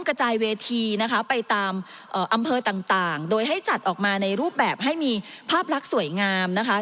กระจายเวทีนะคะไปตามอำเภอต่างโดยให้จัดออกมาในรูปแบบให้มีภาพลักษณ์สวยงามนะคะ